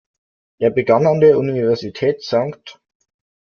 Er begann an der Universität „St.